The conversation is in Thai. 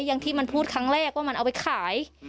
อย่างที่มันพูดครั้งแรกว่ามันเอาไปขาย